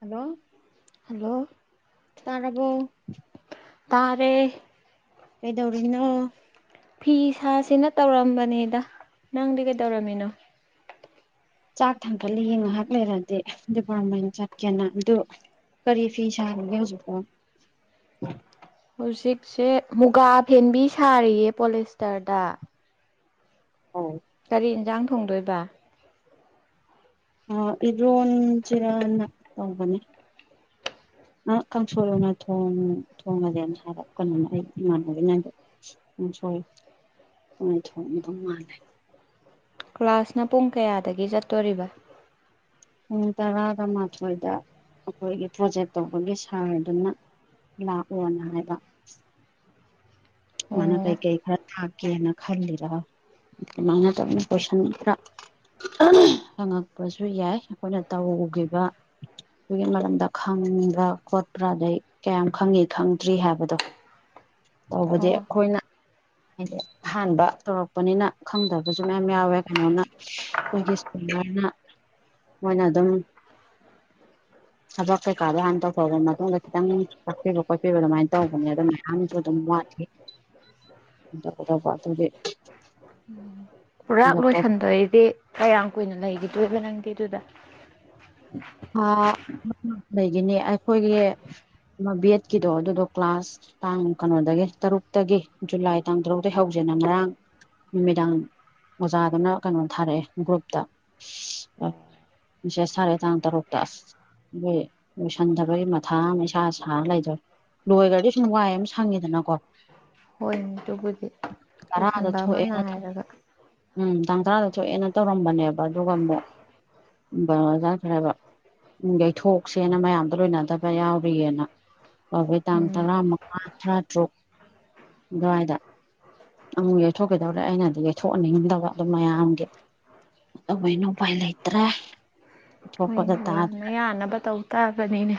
hello hello ꯇꯔꯕꯣ ꯇꯔꯦ ꯀꯩꯗꯧꯔꯤꯅꯣ ꯐꯤ ꯁꯥꯁꯤꯅ ꯇꯧꯔꯝꯕꯅꯦꯗ ꯅꯪꯗꯤ ꯀꯩ ꯗꯧꯔꯝꯃꯤꯅꯣ ꯆꯥꯛ ꯊꯥꯡꯀꯠꯂꯤꯌꯦ ꯉꯥꯏꯍꯥꯛ ꯂꯩꯔꯗꯤ ꯗꯨꯀꯟ ꯃꯌꯨꯝ ꯆꯠꯀꯦꯅ ꯑꯗꯨ [inaudible] ꯀꯔꯤ ꯐꯤ ꯁꯥꯔꯤꯒꯦ ꯍꯧꯖꯤꯛꯄꯨ ꯍꯧꯖꯤꯛꯁꯦ ꯃꯨꯒꯥ ꯐꯦꯟꯕꯤ ꯁꯥꯔꯤꯌꯦ ꯄꯣꯂꯤꯁꯇꯔꯗ ꯑꯧ [unintelligible] ꯀꯥꯔꯤ ꯏꯟꯁꯥꯡ ꯊꯣꯡꯗꯣꯏꯕ ꯑ ꯏꯔꯣꯟꯖꯤꯔꯥꯅ ꯇꯧꯕꯅꯤ ꯑ ꯀꯥꯡꯁꯣꯏ ꯑꯣꯏꯅ ꯊꯣꯡ ꯊꯣꯉꯒꯦꯅ ꯍꯥꯏꯕ ꯀꯩꯅꯣꯅꯦ ꯑꯩ ꯏꯃꯥꯟꯅꯕꯤꯅ ꯍꯣꯏ ꯑꯗꯨꯃꯥꯏ ꯊꯣꯡꯉꯝꯗꯨꯧ ꯃꯥꯜꯂꯦ ꯀ꯭ꯂꯥꯁꯅ ꯄꯨꯡ ꯀꯌꯥꯗꯒꯤ ꯆꯠꯇꯣꯔꯤꯕ ꯄꯨꯡ ꯇꯔꯥꯒ ꯃꯥꯊꯣꯏꯗ ꯑꯩꯈꯣꯏꯒꯤ ꯄ꯭ꯔꯣꯖꯦꯛ ꯇꯧꯕꯒꯤ ꯁꯥꯔꯗꯨꯅ ꯂꯥꯛꯑꯣꯅ ꯍꯥꯏꯕ ꯃꯥꯅ ꯑꯣ ꯀꯩꯀꯩ ꯈꯔ ꯇꯥꯛꯀꯦꯅ ꯈꯜꯂꯤꯕꯔ ꯑꯗꯨꯃꯥꯏꯅ ꯇꯞꯅ ꯀꯣꯏꯁꯟ ꯈꯔ ꯍꯪꯉꯛꯄꯁꯨ ꯌꯥꯏ ꯑꯩꯈꯣꯏꯅ ꯇꯧꯒꯤꯕ ꯑꯗꯨꯒꯤ ꯃꯔꯝꯗ ꯈꯪꯕ꯭ꯔꯥ ꯈꯣꯠꯄ꯭ꯔꯥ ꯑꯗꯩ ꯀꯌꯥꯝ ꯈꯪꯉꯦ ꯈꯪꯗ꯭ꯔꯤ ꯍꯥꯏꯕꯗꯣ ꯇꯧꯕꯨꯗꯤ ꯑꯣ ꯑꯣ ꯑꯩꯈꯣꯏꯅ ꯍꯥꯏꯗꯤ ꯑꯍꯥꯟꯕ ꯇꯧꯔꯛꯄꯅꯤꯅ ꯈꯪꯗꯕꯁꯨ ꯃꯌꯥꯝ ꯌꯥꯎꯔꯦ ꯀꯩꯅꯣꯅ ꯑꯩꯈꯣꯏꯒꯤ ꯑꯗꯨꯃꯥꯏꯅ ꯃꯣꯏꯅ ꯑꯗꯨꯝ ꯊꯕꯛ ꯀꯩꯀꯥꯗꯣ ꯍꯥꯟꯅ ꯇꯧꯊꯣꯛꯑꯕ ꯃꯇꯨꯡꯗ ꯈꯤꯇꯪ ꯇꯥꯛꯄꯤꯕ ꯈꯣꯠꯄꯤꯕꯗꯣ ꯑꯗꯨꯃꯥꯏꯅ ꯇꯧꯕꯅꯦ ꯑꯗꯣ ꯃꯌꯥꯝꯁꯨ ꯑꯗꯨꯝ ꯋꯥꯏ ꯇꯧꯒꯗꯧꯕ ꯑꯗꯨꯒꯤ ꯄꯨꯔꯥ ꯂꯦꯞꯇꯣꯞ ꯂꯣꯏꯁꯤꯟꯗꯣꯏꯗꯤ ꯀꯌꯥꯝ ꯀꯨꯏꯅ ꯂꯩꯈꯤꯗꯣꯏꯕ ꯅꯪꯗꯤ ꯑꯗꯨꯗ ꯂꯩꯒꯤꯅꯤ ꯑꯩꯈꯣꯏꯒꯤ ꯑꯃ ꯕꯤꯑꯦꯠꯀꯤꯗꯣ ꯑꯗꯨꯗꯣ ꯀ꯭ꯂꯥꯁ ꯇꯥꯡ ꯀꯩꯅꯣꯗꯒꯤ ꯇꯔꯨꯛꯇꯒꯤ ꯖꯨꯂꯥꯏ ꯇꯥꯡ ꯇꯔꯨꯛꯇꯩ ꯍꯧꯖꯦꯅ ꯅ ꯉꯔꯥꯡ ꯅꯨꯃꯤꯗꯥꯡ ꯑꯣꯖꯥꯗꯨꯅ ꯀꯩꯅꯣ ꯊꯥꯔꯛꯑꯦ ꯒ꯭ꯔꯨꯞꯇ ꯃꯦꯁꯦꯖ ꯊꯥꯔꯛꯑꯦ ꯇꯥꯡ ꯇꯔꯨꯛ ꯑꯗꯨꯒꯤ ꯂꯣꯏꯁꯟꯗꯕꯒꯤ ꯃꯊꯥ ꯑꯃ ꯏꯁꯥ ꯁꯥ ꯂꯩꯗꯣꯔꯦ ꯂꯣꯏꯒ꯭ꯔꯗꯤ ꯁꯨꯝ ꯋꯥꯏ ꯑꯃ ꯁꯪꯉꯦꯗꯥꯅꯀꯣ ꯍꯣꯏꯅꯦ ꯑꯗꯨꯕꯨꯗꯤ ꯂꯣꯏꯁꯤꯟꯕ ꯑꯃ ꯊꯣꯛꯑꯦꯅ ꯅꯥꯏꯔꯒ ꯎꯝ ꯇꯥꯡ ꯇꯔꯥꯗ ꯊꯣꯛꯑꯦꯅ ꯇꯧꯔꯝꯕꯅꯦꯕ ꯑꯗꯨꯒ ꯑꯃꯨꯛ ꯀꯩꯅꯣ ꯆꯠꯈ꯭ꯔꯦꯕ ꯎꯝ ꯌꯩꯊꯣꯛꯁꯦꯅ ꯃꯌꯥꯝꯗꯣ ꯂꯣꯏꯅꯗꯕ ꯌꯥꯎꯔꯤꯅ ꯑꯗꯩ ꯇꯥꯡ ꯎꯝ ꯇꯔꯥꯃꯉꯥ ꯇꯔꯥꯇꯔꯨꯛ ꯑꯗꯨꯋꯥꯏꯗ ꯑꯃꯨꯛ ꯌꯩꯊꯣꯛꯈꯤꯗꯧꯔꯦ ꯑꯩꯅꯗꯤ ꯌꯩꯊꯣꯛꯍꯟꯅꯤꯡꯗꯕ ꯑꯗꯣ ꯃꯌꯥꯝꯒꯤ ꯇꯧꯕꯅꯤꯅ ꯎꯄꯥꯏ ꯂꯩꯇ꯭ꯔꯦ ꯍꯣꯏ ꯇꯥꯗ꯭ꯔꯦ ꯌꯥꯅ ꯌꯥꯅꯕ ꯇꯧ ꯇꯥꯕꯅꯤꯅꯦ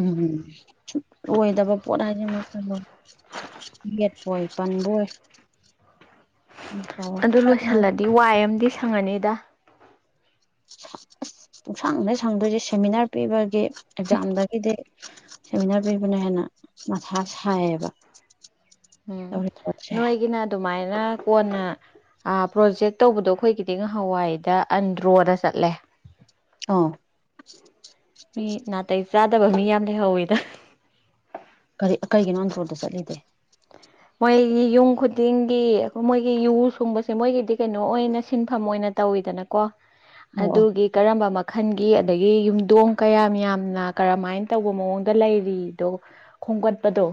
ꯎꯝ ꯂꯣꯏꯗꯕ ꯄꯣꯠ ꯍꯥꯏꯕꯃꯛꯁꯤꯗꯕꯨ ꯌꯦꯠꯄꯣꯏ ꯄꯟꯕꯣꯏ ꯑꯗꯨ ꯂꯣꯏꯁꯜꯂꯗꯤ ꯋꯥꯏ ꯑꯃꯗꯤ ꯁꯪꯉꯥꯅꯤꯗ [unintelligible] ꯄꯨꯛꯁꯪꯅꯦ ꯁꯪꯗꯣꯏꯁꯦ ꯁꯦꯃꯤꯅꯥꯔ ꯄꯤꯕꯒꯤ ꯑꯦꯛꯖꯥꯝꯗꯒꯤꯗꯤ ꯁꯦꯃꯤꯅꯥꯔ ꯄꯤꯕꯅ ꯍꯦꯟꯅ ꯃꯊꯥ ꯁꯥꯏꯌꯦꯕ ꯎꯝ [unintelligible] ꯇꯧꯔꯤ ꯄꯣꯠꯁꯦ ꯐꯖꯥꯅ ꯀꯣꯟꯅ ꯄ꯭ꯔꯣꯖꯦꯛ ꯇꯧꯕꯗꯣ ꯑꯩꯈꯣꯏꯒꯤꯗꯤ ꯉꯍꯥꯋꯥꯏꯗ ꯑꯟꯗ꯭ꯔꯣꯗ ꯆꯠꯂꯦ ꯑꯥ [unintelligible] ꯃꯤ ꯅꯥꯇꯩ ꯆꯥꯗꯕ ꯃꯤ ꯌꯥꯝ ꯂꯩꯍꯧꯋꯤꯗ ꯀꯔꯤ ꯀꯩꯒꯤꯅꯣ ꯑꯟꯗ꯭ꯔꯣꯗ ꯆꯠꯂꯤꯗꯤ ꯃꯣꯏꯒꯤ ꯌꯨꯝ ꯈꯨꯗꯤꯡꯒꯤ ꯃꯣꯏꯒꯤ ꯌꯨ ꯁꯨꯡꯕꯁꯦ ꯃꯣꯏꯒꯤꯗꯤ ꯀꯩꯅꯣ ꯑꯣꯏꯅ ꯁꯤꯟꯐꯝ ꯑꯣꯏꯅ ꯇꯧꯋꯤꯗꯅꯀꯣ ꯑꯧ ꯑꯧ ꯑꯗꯨꯒꯤ ꯙꯔꯃ ꯃꯥꯈꯜ ꯒꯤ ꯑꯗꯒꯤ ꯌꯨꯝꯗꯣꯡ ꯀꯌꯥꯝ ꯌꯥꯝꯅ ꯀꯔꯝꯍꯥꯏꯅ ꯇꯧꯕ ꯃꯑꯣꯡꯗ ꯂꯩꯔꯤꯗꯣ ꯈꯣꯝꯒꯠꯄꯗꯣ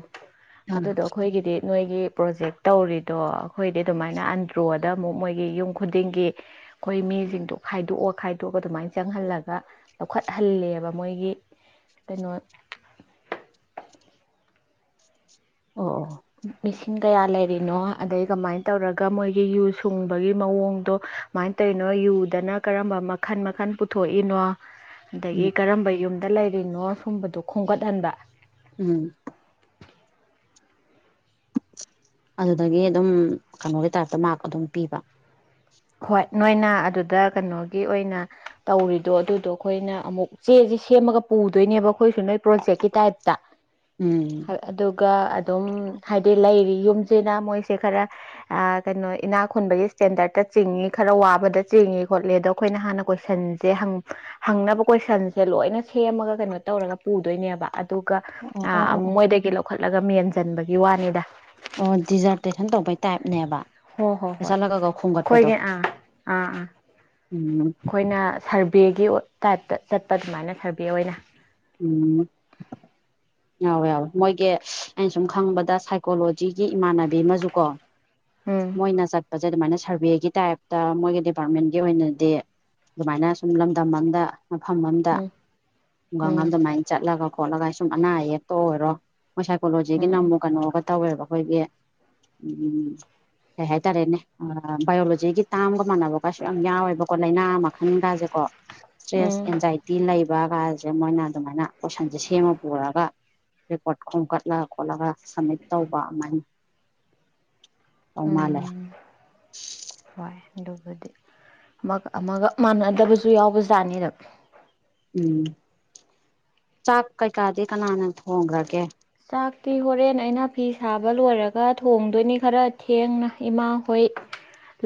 ꯑꯥ ꯑꯗꯨꯗꯣ ꯍꯈꯣꯏꯒꯤꯗꯤ ꯅꯣꯏꯒꯤ ꯄ꯭ꯔꯣꯖꯦꯛ ꯇꯧꯔꯤꯗꯣ ꯑꯩꯈꯣꯏꯗꯤ ꯑꯗꯨꯃꯥꯏꯅ ꯑꯟꯗ꯭ꯔꯣꯗ ꯑꯃꯨꯛ ꯃꯣꯏꯒꯤ ꯌꯨꯝ ꯈꯨꯗꯤꯡꯒꯤ ꯑꯩꯈꯣꯏ ꯃꯤꯁꯤꯡꯗꯣ ꯈꯥꯏꯗꯣꯛꯑ ꯈꯥꯏꯗꯣꯛꯑ ꯑꯗꯨꯃꯥꯏꯅ ꯆꯪꯍꯜꯂꯒ ꯂꯧꯈꯠꯍꯜꯂꯦꯕ ꯃꯣꯏꯒꯤ ꯀꯩꯅꯣ [inaudible] ꯑꯣ ꯑꯣ ꯃꯤꯁꯤꯡ ꯀꯌꯥ ꯂꯩꯔꯤꯅꯣ ꯑꯗꯩ ꯀꯃꯥꯏꯅ ꯇꯧꯔꯒ ꯃꯣꯏꯒꯤ ꯌꯨ ꯁꯨꯡꯕꯒꯤ ꯃꯑꯣꯡꯗꯣ ꯀꯨꯃꯥꯏꯅ ꯇꯧꯔꯤꯅꯣ ꯌꯨꯗꯅ ꯀꯔꯝꯕ ꯃꯈꯟ ꯃꯈꯟ ꯄꯨꯊꯣꯛꯏꯅꯣ ꯑꯗꯒꯤ ꯎꯝ ꯀꯔꯝꯕ ꯌꯨꯝꯗ ꯂꯩꯔꯤꯅꯣ ꯁꯨꯝꯕꯗꯣ ꯈꯣꯝꯒꯠꯍꯟꯕ ꯎꯝ ꯑꯗꯨꯗꯒꯤ ꯑꯗꯨꯝ ꯀꯩꯅꯣꯒꯤ ꯇꯥꯏꯞꯇ ꯃꯥꯔꯛ ꯑꯗꯨꯝ ꯄꯤꯕ ꯍꯣꯏ ꯅꯣꯏꯅ ꯑꯗꯨꯗ ꯀꯩꯅꯣꯒꯤ ꯑꯣꯏꯅ ꯇꯧꯔꯤꯗꯣ ꯑꯗꯨꯗꯣ ꯑꯩꯈꯣꯏꯅ ꯑꯃꯨꯛ ꯆꯦ ꯁꯦꯝꯃꯒ ꯄꯨꯗꯣꯏꯅꯦꯕ ꯑꯩꯈꯣꯏꯁꯨ ꯅꯣꯏ ꯄ꯭ꯔꯣꯖꯦꯛꯀꯤ ꯇꯥꯏꯞꯇ ꯎꯝ ꯑꯗꯨꯒ ꯑꯗꯨꯝ ꯍꯥꯏꯗꯤ ꯂꯩꯔꯤ ꯌꯨꯝ ꯅ ꯃꯣꯏꯁꯦ ꯈꯔ ꯀꯩꯅꯣ ꯏꯅꯥ ꯈꯨꯨꯟꯕꯒꯤ ꯏꯁꯇꯦꯟꯗꯔꯗꯠꯇ ꯆꯤꯡꯉ ꯈꯔ ꯋꯥꯕꯗ ꯆꯤꯡꯉꯦ ꯈꯣꯠꯂꯦ ꯑꯗꯣ ꯑꯩꯈꯣꯏꯅ ꯍꯥꯟꯅ ꯀꯣꯏꯁꯟꯁꯦ ꯍꯪꯅꯕ ꯀꯣꯏꯁꯟꯁꯦ ꯂꯣꯏꯅ ꯁꯦꯝꯃꯒ ꯀꯩꯅꯣ ꯇꯧꯔꯒ ꯄꯨꯗꯣꯏꯅꯦꯕ ꯑꯗꯨꯒ ꯑꯣ ꯑꯣ ꯑꯣ ꯑꯣ ꯃꯣꯏꯗꯒꯤ ꯂꯧꯈꯠꯂꯒ ꯃꯦꯟꯁꯤꯟꯕꯒꯤ ꯋꯥꯅꯤꯗ ꯑꯣ ꯗꯤꯖꯥꯔꯇꯦꯁꯟ ꯇꯧꯕꯩ ꯇꯥꯏꯞꯅꯦꯕ ꯍꯣꯏ ꯍꯣ ꯍꯣꯏ ꯆꯠꯂꯒꯒ ꯈꯣꯝꯒꯠꯄꯗꯣ ꯑꯩꯣꯏꯒ ꯑꯥ ꯑꯥ ꯑꯥ ꯎꯝ ꯑꯩꯈꯣꯏꯅ ꯁꯔꯚꯦꯒꯤ ꯇꯥꯏꯞꯇ ꯆꯠꯄ ꯑꯗꯨꯃꯥꯏꯅ ꯁꯔꯚꯦ ꯑꯣꯏꯅ ꯎꯝ ꯌꯥꯎꯋꯦ ꯌꯥꯎꯋꯦ ꯃꯣꯏꯒꯤ ꯑꯩꯅ ꯁꯨꯝ ꯈꯪꯕꯗ ꯁꯥꯏꯀꯣꯂꯣꯖꯤꯒꯤ ꯏꯃꯥꯟꯅꯕꯤ ꯑꯃꯁꯨ ꯀꯣ ꯎꯝ ꯃꯣꯏꯅ ꯆꯠꯄꯁꯦ ꯑꯗꯨꯃꯥꯏꯅ ꯁꯔꯚꯦꯒꯤ ꯇꯥꯏꯞꯇ ꯃꯣꯏꯒꯤ ꯗꯤꯄꯥꯔꯠꯃꯦꯟꯒꯤ ꯑꯣꯏꯅꯗꯤ ꯑꯗꯨꯃꯥꯏꯅ ꯁꯨꯝ ꯂꯝꯗꯝ ꯑꯃꯗ ꯃꯐꯝ ꯑꯗ ꯎꯝ ꯈꯨꯡꯒꯪ ꯎꯝ ꯑꯗꯨꯃꯥꯏꯅ ꯆꯠꯂꯒ ꯈꯣꯠꯂꯒ ꯁꯨꯝ ꯑꯅꯥ ꯑꯌꯦꯌꯦꯛꯛꯇ ꯑꯣꯏꯔꯣ ꯃꯣꯏ ꯁꯥꯏꯀꯣꯂꯣꯖꯤꯒꯤ ꯎꯝ ꯅꯝꯃꯨ ꯀꯩꯅꯣꯒ ꯇꯧꯋꯦꯕ ꯑꯩꯈꯣꯏꯒꯤ ꯎ ꯀꯩ ꯍꯥꯏꯇꯥꯔꯦꯅꯦ ꯕꯥꯏꯌꯑꯣꯂꯣꯖꯤꯒꯤ ꯇꯥꯒ ꯆꯃꯥꯟꯅꯕ ꯀꯥꯏꯁꯨ ꯌꯥꯝ ꯌꯥꯎꯋꯦꯕꯀꯣ ꯂꯥꯏꯅꯥ ꯃꯈꯜꯒꯥꯁꯦꯀꯣ ꯏꯁꯇ꯭ꯔꯦꯁ ꯎꯝ ꯑꯦꯟꯖꯥꯏꯇꯤ ꯂꯩꯕꯒ ꯁꯤ ꯃꯣꯏꯅ ꯑꯗꯨꯃꯥꯏꯅ ꯀꯣꯏꯁꯟꯁꯦ ꯁꯦꯝꯃ ꯄꯨꯔꯒ ꯔꯦꯀꯣꯔꯠ ꯈꯣꯝꯒꯠꯂ ꯈꯣꯠꯂꯒ ꯁꯝꯃꯤꯠ ꯇꯧꯕ ꯑꯗꯨꯃꯥꯏꯅ ꯑꯣꯃ ꯂꯩꯦ ꯑꯗꯨꯒꯗꯤ ꯑꯃꯒ ꯑꯃꯒ ꯃꯥꯟꯅꯗꯕꯁꯨ ꯌꯥꯎꯕꯖꯥꯠꯅꯤꯗ ꯎꯝ ꯆꯥꯛ ꯀꯩꯀꯥꯗꯤ ꯀꯅꯥꯅ ꯊꯣꯡꯈ꯭ꯔꯒꯦ ꯆꯥꯛꯇꯤ ꯍꯣꯔꯦꯟ ꯑꯩꯅ ꯐꯤ ꯁꯥꯕ ꯂꯣꯏꯔꯒ ꯊꯣꯡꯗꯣꯏꯅꯤ ꯈꯔ ꯊꯦꯡꯅ ꯏꯃꯥ ꯍꯣꯏ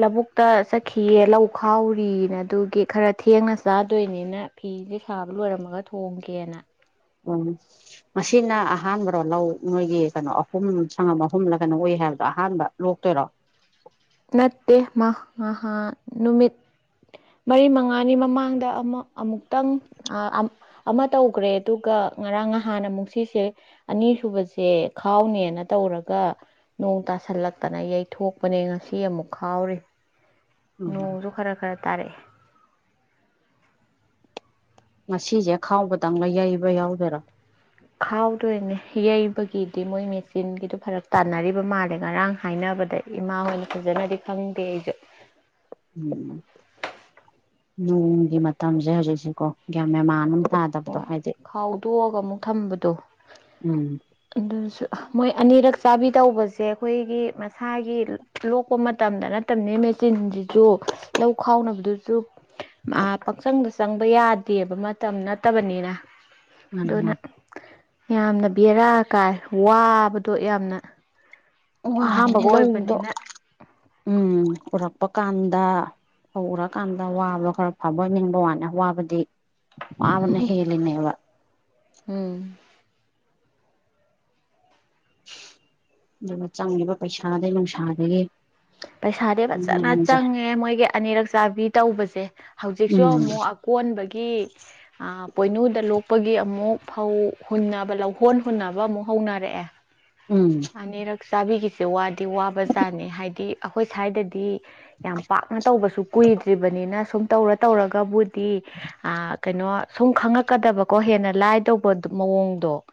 ꯂꯧꯕꯕꯨꯛꯇ ꯆꯠꯈꯤꯌꯦ ꯂꯧ ꯈꯥꯎꯔꯤꯅ ꯑꯗꯨꯒꯤ ꯈꯔ ꯊꯦꯡꯅ ꯆꯥꯗꯣꯏꯅꯤꯅ ꯐꯤ ꯁꯦ ꯁꯥꯕ ꯂꯣꯏꯔꯝꯃꯒ ꯊꯣꯡꯒꯦꯅ ꯎꯝ ꯃꯁꯤꯅ ꯑꯍꯥꯟꯕꯔꯣ ꯂꯧ ꯅꯣꯏꯒꯤ ꯀꯩꯅꯣ ꯑꯍꯨꯝ ꯁꯪꯉꯝ ꯑꯍꯨꯝꯂ ꯀꯩꯅꯣ ꯑꯣꯏ ꯍꯥꯏ ꯑꯍꯥꯟꯕ ꯂꯣꯛꯇꯣꯏꯔꯣ ꯅꯠꯇꯦ ꯃꯍ ꯃꯍ ꯅꯨꯃꯤꯠ ꯃꯔꯤ ꯃꯉꯥꯅꯤ ꯃꯃꯥꯡꯗ ꯑꯃ ꯑꯃꯨꯛꯇꯪ ꯑꯃ ꯇꯧꯈ꯭ꯔꯦ ꯑꯗꯨꯒ ꯉꯔꯥꯡꯍꯥꯟꯅ ꯑꯃꯨꯛ ꯁꯤꯁꯦ ꯑꯅꯤꯁꯨꯨꯕꯁꯦ ꯈꯥꯎꯅꯦꯅ ꯇꯧꯔꯒ ꯅꯣꯡ ꯇꯥꯁꯜꯂꯛꯇꯅ ꯌꯩꯊꯣꯛꯄꯅꯦ ꯉꯁꯤ ꯐꯤ ꯑꯃꯨꯛ ꯈꯥꯎꯔꯤ ꯎꯝ ꯅꯣꯡꯁꯨ ꯈꯔ ꯈꯔ ꯇꯥꯔꯛꯑꯦ ꯉꯁꯤꯁꯦ ꯈꯥꯎꯕꯗꯪ ꯌꯩꯕ ꯌꯥꯎꯗꯣꯏꯔꯥ ꯈꯥꯎꯗꯣꯏꯅꯦ ꯌꯩꯕꯒꯤꯗꯤ ꯃꯣꯏ ꯃꯦꯆꯤꯟꯒꯤꯗꯣ ꯐꯔꯞ ꯇꯥꯟꯅꯔꯤꯕ ꯃꯥꯜꯂꯦ ꯉꯔꯥꯡ ꯍꯥꯏꯅꯕ ꯗ ꯏꯃꯥꯉꯣꯏꯅ ꯐꯖꯅꯗꯤ ꯈꯪꯅꯤꯡꯗꯦ ꯑꯩꯁꯨ [inaudible] ꯎꯝ ꯅꯣꯡꯒꯤ ꯃꯇꯝꯁꯦ ꯍꯧꯖꯤꯛꯁꯦꯀꯣ ꯒ꯭ꯌꯥ ꯃꯦꯃꯥꯅ ꯍꯣꯏ ꯈꯥꯎꯗꯣꯛꯑꯒ ꯑꯃꯨꯛ ꯊꯝꯕꯗꯣ ꯎꯝ ꯑꯗꯨꯁꯨ ꯃꯣꯏ ꯑꯅꯤꯔꯛ ꯆꯥꯕꯤ ꯇꯧꯕꯁꯦ ꯑꯩꯈꯣꯏꯒꯤ ꯃꯁꯥꯒꯤ ꯂꯣꯛꯄ ꯃꯇꯝ ꯃ ꯌꯥꯗꯦꯕ ꯃꯇꯝ ꯅꯠꯇꯕꯅꯤꯅ ꯃꯥꯅꯤ ꯑꯗꯨꯅ ꯃꯥꯅꯤ ꯌꯥꯝꯅ ꯕꯦꯔꯥ ꯀꯥꯏ ꯋꯥꯕꯗꯣ ꯌꯥꯝꯅ ꯋꯥꯔꯦꯅꯦ ꯑꯍꯥꯝꯕꯒ ꯂꯧꯗꯣ ꯑꯣꯏꯕꯅꯤꯅ ꯎꯝ ꯎꯔꯛꯄ ꯀꯥꯟꯗ ꯍꯧꯔꯀꯥꯟꯗ ꯋꯥꯕꯣ ꯈꯔ ꯐꯕ ꯑꯣꯏ ꯅꯤꯡꯕ ꯋꯥꯅꯤ ꯑꯕꯗꯤ ꯋꯥꯕꯅ ꯍ‌ꯦꯜꯂꯤꯅꯦꯕ ꯎꯝ ꯑꯗꯨꯒ ꯆꯪꯉꯤꯕ ꯄꯩꯁꯥꯗꯒꯤꯩ ꯅꯨꯡꯁꯥꯗꯒꯤ ꯄꯩꯁꯥꯗꯤ ꯐꯖꯅ ꯃꯌꯥꯝꯁꯦ ꯆꯪꯉꯦ ꯃꯣꯏꯒꯤ ꯑꯅꯤꯔꯛ ꯆꯥꯕꯤ ꯇꯧꯕꯁꯦ ꯍꯧꯖꯤꯛꯁꯨ ꯎꯝ ꯑꯃꯨꯛ ꯑ ꯀꯣꯟꯕꯒꯤ ꯄꯣꯏꯅꯨꯗ ꯂꯣꯛꯄꯒꯤ ꯑꯃꯨꯛ ꯐꯧ ꯍꯨꯟꯅꯕ ꯂꯧꯍꯣꯟ ꯍꯨꯟꯅꯕ ꯑꯃꯨꯛ ꯍꯧꯅꯔꯛꯑꯦ ꯎꯝ ꯆꯥꯕꯤꯒꯤꯁꯦ ꯋꯥꯗꯤ ꯋꯥꯕꯖꯥꯠꯅꯤ ꯍꯥꯏꯗꯤ ꯑꯩꯈꯣꯏ ꯁ꯭ꯋꯥꯏꯗꯗꯤ ꯌꯥꯝ ꯄꯥꯛꯅ ꯇꯧꯕꯁꯨ ꯀꯨꯏꯗ꯭ꯔꯤꯕꯅꯤꯅ ꯁꯨꯝ ꯇꯧꯔ ꯇꯧꯔꯒꯕꯨꯗꯤ ꯀꯩꯅꯣ ꯁꯨꯝ ꯈꯪꯉꯛꯀꯗꯕꯀꯣ ꯍꯦꯟꯅ ꯂꯥꯏ ꯇꯧꯕ ꯄꯣꯡꯗꯣ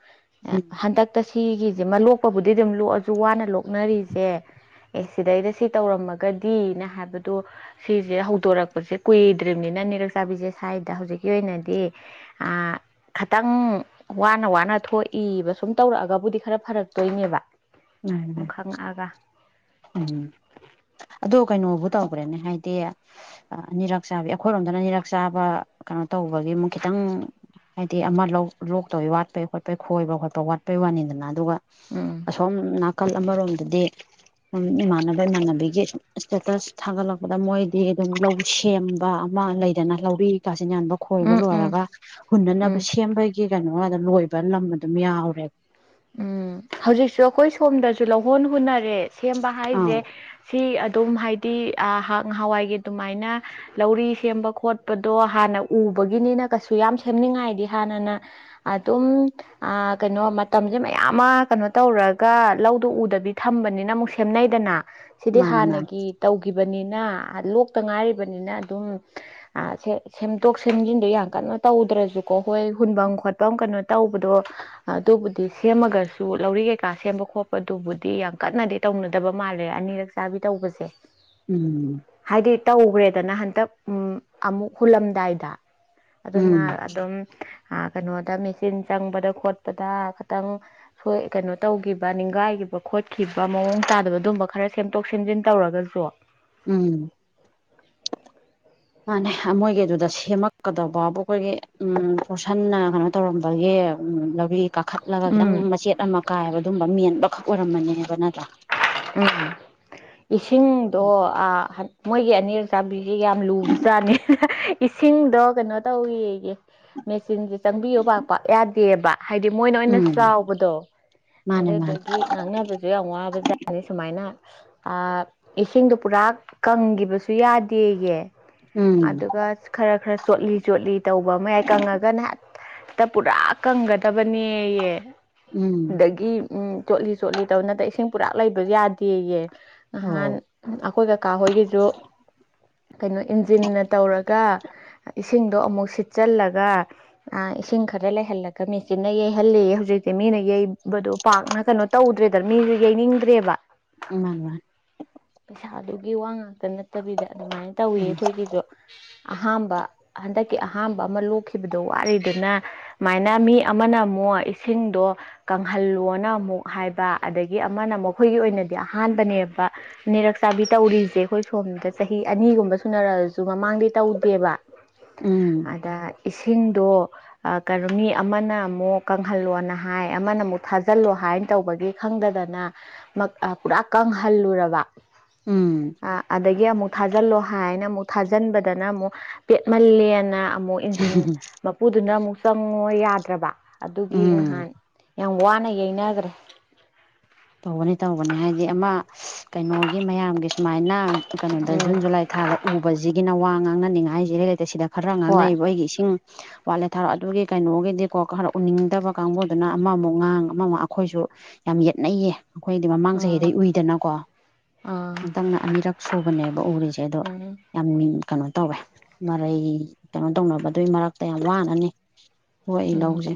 ꯎꯝ ꯍꯟꯗꯛꯇ ꯁꯤꯒꯤꯁꯦ ꯃꯣꯛ ꯂꯣꯛꯄꯕꯨꯗꯤ ꯑꯗꯨꯝ ꯂꯣꯛꯑꯁꯨ ꯋꯥꯅ ꯂꯣꯛꯅꯔꯤꯁꯦ ꯑꯦ ꯁꯤꯗꯩꯗ ꯁꯤ ꯇꯧꯔꯝꯃꯒꯗꯤꯅ ꯍꯥꯏꯕꯗꯣ ꯁꯤꯁꯦ ꯍꯧꯗꯣꯔꯛꯄꯁꯦ ꯀꯨꯏꯗ꯭ꯔꯤꯕꯅꯤꯅ ꯅ ꯅꯤꯔꯛ ꯆꯥꯕꯤꯁꯦ ꯁ꯭ꯋꯥꯏꯗ ꯍꯧꯖꯤꯛꯀꯤ ꯑꯣꯏꯅꯗꯤ ꯑ ꯈꯤꯇꯪ ꯋꯥꯅ ꯋꯥꯅ ꯊꯣꯛꯏꯕ ꯁꯨꯝ ꯇꯧꯔꯛꯑꯒꯕꯨꯗꯤ ꯈꯔ ꯐꯔꯛꯇꯣꯏꯅꯦꯕ ꯎ ꯁꯨꯝ ꯈꯪꯉꯛꯑꯒ ꯎꯝ ꯑꯗꯣ ꯀꯩꯅꯣꯕꯨ ꯇꯧꯈ꯭ꯔꯦꯅꯦ ꯍꯥꯏꯗꯤ ꯑꯅꯤꯔꯛ ꯆꯥꯕꯤ ꯑꯩꯈꯣꯏꯔꯣꯝꯗꯅ ꯑꯅꯤꯔꯛ ꯆꯥꯕ ꯀꯩꯅꯣ ꯇꯧꯕꯒꯤ ꯃꯨꯛ ꯈꯤꯇꯪ ꯍꯥꯏꯗꯤ ꯑꯃ ꯂꯧ ꯂꯣꯛꯇꯧꯤ ꯋꯥꯠꯄꯩ ꯈꯣꯠꯄꯩ ꯈꯣꯏꯕ ꯈꯣꯠꯄ ꯋꯥꯠꯄꯩ ꯋꯥꯅꯤꯗꯅ ꯑꯗꯨꯒ ꯎꯝ ꯑꯁꯣꯝ ꯅꯥꯀꯜ ꯑꯃꯔꯣꯝꯗꯗꯤ ꯏꯃꯥꯟꯅꯕ ꯏꯃꯥꯟꯅꯕꯤꯒꯤ ꯏꯁꯇꯦꯇꯁ ꯊꯥꯒꯠꯂꯛꯄꯗ ꯃꯣꯏꯗꯤ ꯑꯗꯨꯝ ꯂꯧ ꯁꯦꯝꯕ ꯃꯥ ꯂꯩꯗꯅ ꯂꯧꯔꯤ ꯀꯥꯁꯤꯟ ꯌꯥꯟꯕ ꯈꯣꯏꯕ ꯎꯝ ꯎꯝ ꯂꯣꯏꯔꯒ ꯎꯝ ꯍꯨꯟꯅꯅꯕ ꯁꯦꯝꯕꯒꯤ ꯀꯩꯅꯣ ꯂꯣꯏꯕ ꯅꯝꯕ ꯑꯗꯨꯝ ꯌꯥꯎꯔꯦ ꯎꯝ ꯍꯧꯖꯤꯛꯁꯨ ꯑꯩꯈꯣꯏ ꯁꯣꯝꯗꯁꯨ ꯂꯧꯍꯣꯟ ꯍꯨꯅꯔꯦ ꯁꯦꯝꯕ ꯑꯥꯎ ꯍꯥꯏꯁꯦ ꯁꯤ ꯑꯗꯨꯝ ꯍꯥꯏꯗꯤ ꯅꯍꯥꯟꯋꯥꯏꯒꯤ ꯑꯗꯨꯃꯥꯏꯅ ꯂꯧꯔꯤ ꯁꯦꯝꯕ ꯈꯣꯠꯄꯗꯣ ꯍꯥꯟꯅ ꯎꯕ ꯅ ꯀꯩ ꯁꯦꯝꯉ ꯍꯥꯟꯅꯅ ꯑꯗꯨ ꯀꯩꯅꯣ ꯃꯇꯝꯁꯦ ꯃꯌꯥꯝ ꯑꯃ ꯀꯩꯅꯣ ꯇꯧꯔꯒ ꯂꯧꯗꯣ ꯎꯗꯕꯤ ꯊꯝꯕꯅꯤꯅ ꯑꯃꯨꯛ ꯁꯦꯝꯅꯩꯗꯅ ꯁꯤꯗꯤ ꯃꯥꯅꯤ ꯃꯥꯅꯤ ꯍꯥꯟꯅꯒꯤ ꯇꯧ ꯂꯣꯛꯇ ꯉꯥꯏꯔꯤꯕꯅꯤꯅ ꯑꯗꯨꯝ ꯁꯦꯝꯗꯣꯛ ꯁꯦꯝꯖꯤꯟꯗ ꯌꯥꯝ ꯀꯟꯅ ꯇꯧꯗ꯭ꯔꯁꯨꯀꯣ ꯍꯣꯏ ꯍꯨꯐꯝ ꯈꯣꯠꯐꯝ ꯀꯩꯅꯣ ꯇꯧꯕꯗꯣ ꯑꯗꯨ ꯑꯗꯨ ꯁꯦꯝꯃꯒꯁꯨ ꯂꯧꯔꯤ ꯀꯩꯀꯥ ꯁꯦꯝꯕ ꯈꯣꯠꯄꯗꯨꯕꯨꯗꯤ ꯌꯥꯝ ꯀꯟꯅꯗꯤ ꯇꯧꯅꯗꯕ ꯃꯥꯜꯂꯦ ꯑꯅꯤꯔꯛ ꯆꯥꯕꯤ ꯇꯧꯕꯁꯦ ꯎꯝ ꯍꯥꯏꯗꯤ ꯇꯧꯈ꯭ꯔꯦꯗꯅ ꯍꯟꯇꯛ ꯑꯃꯨꯛ ꯍꯨꯜꯂꯝꯗꯥꯏꯗ ꯑꯗꯨꯅ ꯎꯝ ꯑꯗꯨꯝ ꯀꯩꯅꯣꯗ ꯃꯦꯆꯤꯟ ꯆꯪꯕꯗ ꯈꯣꯠꯄꯗ ꯈꯤꯇꯪꯣꯏ ꯀꯩꯅꯣ ꯇꯧꯈꯤꯕ ꯅꯤꯡꯒꯥꯏꯈꯤꯕ ꯈꯣꯠꯈꯤꯕ ꯃꯑꯣꯡ ꯇꯥꯗꯕ ꯑꯗꯨꯝꯕ ꯈꯔ ꯁꯦꯝꯗꯣꯛ ꯁꯦꯝꯖꯤ ꯟ ꯇꯧꯔꯒꯁꯨ ꯎꯝ ꯃꯥꯅꯦ ꯃꯣꯏꯒꯤꯗꯨꯗ ꯁꯦꯝꯃꯛꯀꯗꯧꯕꯕꯨ ꯑꯩꯈꯣꯏꯒꯤ ꯎꯝ ꯍꯣꯔꯁꯟꯅ ꯀꯩꯅꯣ ꯇꯧꯔꯝꯕꯒꯤ ꯎꯝ ꯅꯕꯤ ꯀꯥꯈꯠꯂꯒ ꯈꯤꯇꯪ ꯎꯝ ꯃꯆꯦꯠ ꯑꯃ ꯀꯥꯏꯕ ꯑꯗꯨꯒꯝꯕ ꯃꯦꯟꯕꯈꯛ ꯑꯣꯏꯔꯝꯃꯅꯦꯕ ꯅꯠꯇ꯭ꯔꯥ ꯎꯝ ꯏꯁꯤꯡꯗꯣ ꯃꯣꯏꯒꯤ ꯑꯅꯤꯔ ꯆꯥꯕꯤ ꯌꯥꯝ ꯂꯨꯕꯖꯥꯠꯅꯤ ꯏꯁꯤꯡꯗꯣ ꯀꯩꯅꯣ ꯇꯧꯋꯒꯤ ꯃꯦꯆꯤꯟꯁꯦ ꯆꯪꯕꯤꯌꯣ ꯄꯥꯛ ꯄꯥꯛ ꯌꯥꯗꯦꯕ ꯍꯥꯏꯗꯤ ꯃꯣꯏꯅ ꯑꯣꯏꯅ ꯎꯝ ꯆꯥꯎꯕꯗꯣ ꯃꯥꯅꯦ ꯃꯥꯅꯦ ꯑꯗꯨꯗꯒꯤ ꯉꯥꯡꯅꯕꯁꯨ ꯌꯥꯝ ꯋꯥꯕꯖꯥ ꯁꯨꯃꯥꯏꯅ ꯏꯁꯤꯡꯗꯣ ꯄꯨꯔꯥ ꯀꯪꯈꯤꯕꯁꯨ ꯌꯥꯗꯦꯌꯦ ꯎꯝ ꯑꯗꯨꯒ ꯈꯔ ꯈꯔ ꯆꯣꯠꯂꯤ ꯆꯣꯠꯂꯤ ꯇꯧꯕ ꯃꯌꯥꯏ ꯀꯪꯉꯒ ꯅꯍꯥꯛ ꯇ ꯄꯨꯔꯥ ꯀꯪꯒꯗꯕꯅꯦꯌꯦ ꯎꯝ ꯑꯗꯒꯤ ꯎꯝ ꯆꯣꯠꯂꯤ ꯆꯣꯠꯂꯤ ꯇꯧ ꯅꯠꯇ ꯏꯁꯤꯡ ꯄꯨꯔꯥ ꯂꯩꯕ ꯌꯥꯗꯦꯌꯦ ꯅꯍꯥꯟ ꯑꯣ ꯑꯩꯈꯣꯏ ꯀꯀꯥ ꯍꯣꯏꯒꯤꯁꯨ ꯀꯩꯅꯣ ꯏꯟꯖꯤꯟꯅ ꯇꯧꯔꯒ ꯏꯁꯤꯡꯗꯣ ꯑꯃꯨꯛ ꯁꯤꯠꯆꯜꯂꯒ ꯑ ꯏꯁꯤꯡ ꯈꯔ ꯂꯩꯍꯜꯂꯒ ꯃꯦꯆꯤꯟꯅ ꯌꯩꯍꯜꯂꯤ ꯍꯧꯖꯤꯛꯇꯤ ꯃꯤꯅ ꯌꯩꯕꯗꯣ ꯄꯥꯛꯅ ꯀꯩꯅꯣ ꯇꯧꯗ ꯋꯦꯗ ꯃꯤꯁꯨ ꯌꯩꯅꯤꯡꯗ꯭ꯔꯦꯕ ꯎ ꯃꯥ ꯄꯩꯁꯥꯗꯨꯒꯤ ꯋꯥ ꯉꯥꯛꯇ ꯅꯠꯇꯕꯤꯗ ꯑꯗꯨꯃꯥꯏꯅ ꯇꯧꯋꯤ ꯎꯝ ꯑꯩꯈꯣꯏꯒꯤꯁꯨ ꯑꯍꯥꯝꯕ ꯍꯟꯗꯛꯀꯤ ꯑꯍꯥꯝꯕ ꯑꯃ ꯂꯣꯛꯈꯤꯕꯗꯣ ꯋꯥꯔꯤꯗꯨꯅ ꯁꯨꯃꯥꯏꯅ ꯃꯤ ꯑꯃꯅ ꯑꯃꯨꯛ ꯏꯁꯤꯡꯗꯣ ꯀꯪꯍꯜꯂꯣꯅ ꯑꯃꯨꯛ ꯍꯥꯏꯕ ꯑꯗꯒꯤ ꯑꯃꯅ ꯃꯈꯣꯏꯒꯤ ꯑꯣꯏꯅꯗꯤ ꯑꯍꯥꯟꯕꯅꯦꯕ ꯅꯤꯔꯛ ꯆꯥꯕꯤ ꯇꯧꯔꯤꯁꯦ ꯑꯩꯈꯣꯏ ꯁꯣꯝꯗ ꯆꯍꯤ ꯑꯅꯤ ꯐꯒꯨꯝꯕ ꯁꯨꯅꯔꯛꯑꯁꯨ ꯃꯃꯥꯡꯗꯤ ꯇꯧꯗꯦꯕ ꯎꯝ ꯑꯗ ꯏꯁꯤꯡꯗꯣ ꯀꯩꯅꯣ ꯃꯤ ꯑꯃꯅ ꯑꯃꯨꯛ ꯀꯪꯍꯜꯂꯣꯅ ꯍꯥꯏ ꯑꯃꯅ ꯑꯃꯨꯛ ꯊꯥꯖꯤꯜꯂꯣ ꯍꯥꯏ ꯀꯃꯥꯏꯅ ꯇꯧꯕꯒꯒꯤ ꯈꯪꯗꯗꯅ ꯄꯨꯔꯥ ꯀꯪꯍꯜꯂꯨꯔꯕ ꯎꯝ ꯑꯗꯒꯤ ꯑꯃꯨꯛ ꯊꯥꯖꯤꯜꯂꯣ ꯍꯥꯏꯅ ꯑꯃꯨꯛ ꯊꯥꯖꯤꯟꯕꯗꯅ ꯑꯃꯨꯛ ꯄꯦꯠꯃꯜꯂꯦꯅ ꯑꯃꯨꯛ ꯏꯟꯖꯤꯟ ꯃꯄꯨꯗꯨꯅ ꯑꯃꯨꯛ ꯆꯪꯉꯣ ꯌꯥꯗ꯭ꯔꯕ ꯑꯗꯨꯒꯤ ꯎꯝ ꯅꯍꯥꯟ ꯌꯥꯝ ꯋꯥꯅ ꯌꯩꯅꯈ꯭ꯔꯦ ꯇꯧꯕꯅꯤ ꯇꯧꯕꯅꯤ ꯍꯥꯏꯗꯤ ꯑꯃ ꯀꯩꯅꯣꯒꯤ ꯃꯌꯥꯝꯒꯤ ꯁꯨꯃꯥꯏꯅ ꯀꯩꯅꯣꯗ ꯎꯝ ꯖꯨꯟ ꯖꯨꯂꯥꯏ ꯊꯥꯗ ꯎꯕꯁꯤꯒꯤꯅ ꯋꯥ ꯉꯥꯡꯅꯅꯤꯡꯉꯥꯏ ꯍꯥꯏꯁꯤ ꯏꯔꯩ ꯂꯩꯇ ꯁꯤꯗ ꯈꯔ ꯍꯣꯏ ꯉꯥꯡꯅꯩꯑꯕ ꯑꯩꯒꯤ ꯏꯁꯤꯡ ꯋꯥꯠꯂꯦ ꯊꯥꯎꯔ ꯑꯗꯨꯒꯤ ꯀꯩꯅꯣꯒꯤꯗꯤꯀꯣ ꯈꯔ ꯎꯅꯤꯡꯗꯕ ꯀꯥꯡꯕꯨꯗꯨꯅ ꯑꯃꯃꯨꯛ ꯉꯥꯡ ꯑꯃꯃꯨꯛ ꯑꯩꯈꯣꯏꯁꯨ ꯌꯥꯝ ꯌꯥ ꯈꯠꯅꯩꯌꯦ ꯑꯩꯈꯣꯏꯗꯤ ꯃꯃꯥꯡ ꯎꯝ ꯆꯍꯤꯗꯩ ꯎꯏꯗꯅꯀꯣ ꯑꯥ ꯉꯇꯪꯅ ꯑꯅꯤꯔꯛ ꯁꯨꯕꯅꯦꯕ ꯎꯔꯤꯁꯦ ꯑꯗꯣ ꯎꯝ ꯌꯥꯝ ꯀꯩꯅꯣ ꯇꯧꯋꯦ ꯃꯔꯩ ꯀꯩꯅꯣ ꯇꯧꯅꯕꯗꯨꯒꯤ ꯃꯔꯛꯇ ꯌꯥꯝ ꯋꯥꯅꯅꯤ ꯊꯣꯛꯏ ꯎꯝ ꯂꯧꯁꯦ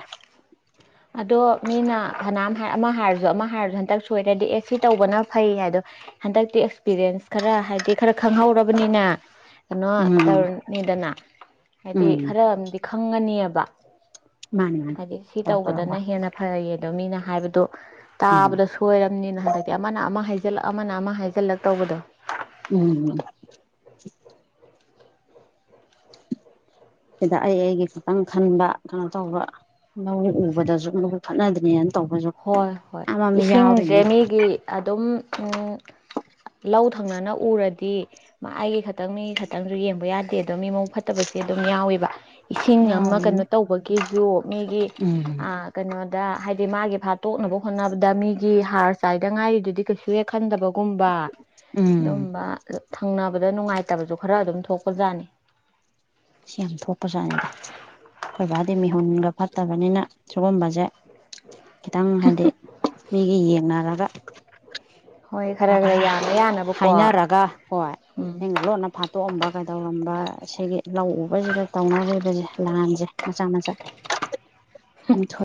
ꯑꯗꯣ ꯃꯤꯅ ꯐꯅꯥꯝ ꯍꯥꯏ ꯑꯃ ꯍꯥꯏꯔꯁꯨ ꯑꯃ ꯍꯥꯏꯔꯁꯨ ꯍꯟꯗꯛ ꯁꯣꯏꯔꯗꯤ ꯑꯦ ꯁꯤ ꯇꯧꯕꯅ ꯐꯩ ꯍꯥꯏꯗꯣ ꯍꯟꯗꯛꯇꯤ ꯑꯦꯛꯁꯄꯤꯔꯤꯌꯦꯟꯁ ꯈꯔ ꯍꯥꯏꯗꯤ ꯈꯔ ꯈꯪꯍꯧꯔꯕꯅꯤꯅ ꯀꯩꯅꯣ ꯎꯝ ꯇꯧꯔꯅꯤꯗꯅ ꯍꯥꯏꯗꯤ ꯎꯝ ꯈꯔ ꯑꯃꯗꯤꯝꯗꯤ ꯈꯪꯉꯅꯤꯑꯕ ꯃꯥꯅꯤ ꯃꯥꯅꯤ ꯍꯥꯏꯗꯤ ꯁꯤ ꯇꯧꯔ ꯇꯧꯔꯒ ꯇꯧꯕꯗꯅ ꯍꯦꯟꯅ ꯐꯩꯌꯦ ꯑꯗꯣ ꯃꯤꯅ ꯍꯥꯏꯕꯗꯣ ꯎꯝ ꯇꯥꯕꯗ ꯁꯣꯏꯔꯕꯝꯅꯤꯅ ꯍꯟꯗꯛꯇꯤ ꯑꯃꯅ ꯑꯃ ꯍꯥꯏ ꯍꯥꯏꯖꯤꯜꯂꯛ ꯑꯃꯅ ꯑꯃ ꯍꯥꯏꯖꯤꯜꯂꯛ ꯇꯧꯕꯗꯣ ꯎꯝ ꯁꯤꯗ ꯑꯩ ꯑꯩꯒꯤ ꯈꯛꯇꯪ ꯈꯟꯕ ꯀꯩꯅꯣ ꯇꯧꯕ ꯂꯧ ꯎꯕꯗꯁꯨ ꯃꯈ ꯈꯠꯅꯗꯅꯦꯅ ꯍꯣꯏ ꯍꯣꯏ ꯏꯁꯤꯡꯁꯦ ꯃꯤꯒꯤ ꯑꯗꯨꯝꯝ ꯂꯧ ꯊꯪꯅꯅ ꯎꯔꯗꯤ ꯁꯤ ꯑꯩꯒꯤ ꯈꯛꯇꯪ ꯃꯤꯒꯤ ꯈꯛꯇꯪꯁꯨ ꯌꯦꯡꯕ ꯌꯥꯗꯦ ꯑꯗꯣ ꯃꯤ ꯃꯡ ꯐꯠꯇꯕꯁꯦ ꯑꯗꯨꯝ ꯌꯥꯎꯋꯦꯕ ꯏꯁꯤꯡ ꯑꯃ ꯀꯩꯅꯣ ꯌꯥꯎꯔꯤꯅꯦ ꯇꯧꯕꯒꯤꯁꯨ ꯃꯤꯒꯤ ꯎꯝ ꯀꯩꯅꯣꯗ ꯍꯥꯏꯗꯤ ꯃꯥꯒꯤ ꯄꯩꯁꯥ ꯇꯣꯛꯅꯕ ꯍꯣꯠꯅꯕꯗ ꯃꯤꯒꯤ ꯍꯥꯔ ꯆꯥꯏꯗ ꯉꯥꯏꯔꯤꯗꯨꯗꯤ ꯀꯩꯁꯨ ꯍꯦꯛ ꯈꯟꯗꯕ ꯒꯨꯝꯕ ꯎꯝ ꯑꯗꯨꯒꯝꯕ ꯊꯪꯅꯕꯗ ꯅꯨꯡꯉꯥꯏꯇꯕꯁꯨ ꯈꯔ ꯑꯗꯨꯝ ꯊꯣꯛꯄꯖꯥꯠꯅꯤ ꯁꯤ ꯌꯥꯝ ꯊꯣꯛꯄꯖꯥꯠꯅꯤꯗ ꯑꯩꯈꯣꯏ ꯚꯗꯤ ꯃꯤꯍꯨꯟꯒ ꯐꯠꯇꯕꯅꯤꯅ ꯁꯤꯨꯒꯨꯝꯕꯁꯦ ꯈꯤꯇꯪ ꯍꯥꯏꯗꯤ ꯃꯤꯒ ꯌꯦꯡꯅꯔꯒ ꯍꯣꯏ ꯈꯔ ꯈꯔ ꯌꯥꯅ ꯌꯥꯅꯕꯀꯣ ꯍꯥꯏꯅꯔꯒ ꯍꯣꯏ ꯎꯝ ꯑꯩꯅ ꯂꯣꯟꯅ ꯐꯥꯟ ꯇꯣꯛ ꯑꯝꯕ ꯀꯩꯗꯧꯔꯝꯕ ꯁꯤꯒꯤ ꯂꯧ ꯎꯕꯁꯤꯗ ꯇꯧꯅꯔꯤꯕꯁꯦ ꯅꯍꯥꯟꯖꯦ ꯃꯆꯥ ꯃꯆꯥ ꯑꯝ ꯊꯣꯛꯑ